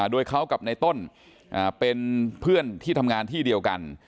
โดยเขากับในต้นเป็นเพื่อนที่ทำงานที่เดียวกัน